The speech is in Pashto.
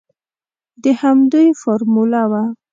د همدوی فارموله وه.